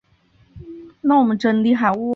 蔡振南辗转到大哥经营的帽子工厂做临时工。